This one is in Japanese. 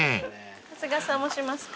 長谷川さんもしますか？